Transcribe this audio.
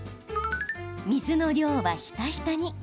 水の量は、ひたひたに。